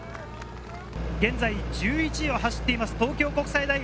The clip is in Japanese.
現在１１位を走っています東京国際大学。